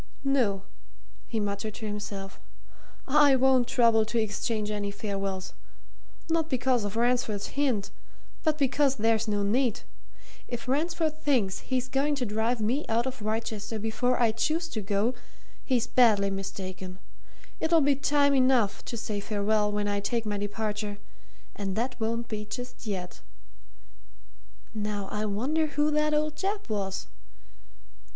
"No," he muttered to himself. "I won't trouble to exchange any farewells not because of Ransford's hint, but because there's no need. If Ransford thinks he's going to drive me out of Wrychester before I choose to go he's badly mistaken it'll be time enough to say farewell when I take my departure and that won't be just yet. Now I wonder who that old chap was?